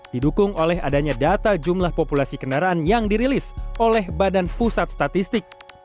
didukung oleh adanya data jumlah populasi kendaraan yang dirilis oleh badan pusat statistik